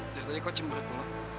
ternyata kau cemburu